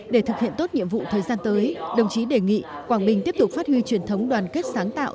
để thực hiện tốt nhiệm vụ thời gian tới đồng chí đề nghị quảng bình tiếp tục phát huy truyền thống đoàn kết sáng tạo